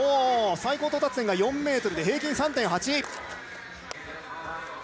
最高到達点が４ｍで平均３．８。